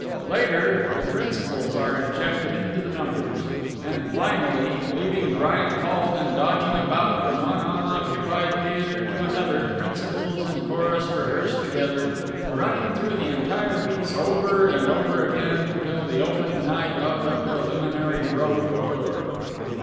Later, the principals are injected into the numbers. And finally, leaving Bryant Hall and dodging about from one unoccupied theatre to another, principals and chorus rehearse together, running through the entire piece over and over again till the opening night of the preliminary road tour.